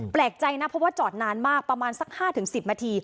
แปลกใจนะเพราะว่าจอดนานมากประมาณสัก๕๑๐นาที